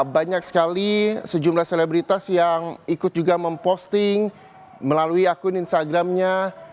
banyak sekali sejumlah selebritas yang ikut juga memposting melalui akun instagramnya